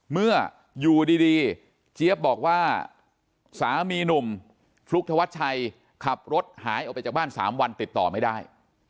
เมื่ออยู่ดีเจี๊ยบบอกว่าสามีหนุ่มฟลุ๊กธวัดชัยขับรถหายออกไปจากบ้าน๓วันติดต่อไม่ได้